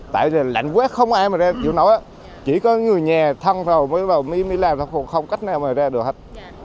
tại lạnh quét không ai mà ra chỉ có người nhà thăng vào mới làm không cách nào mà ra được hết